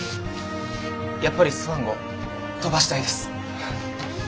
やっぱりスワン号飛ばしたいです。